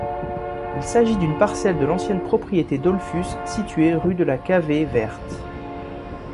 Il s'agit d'une parcelle de l'ancienne propriété Dolfus située rue de la Cavée Verte.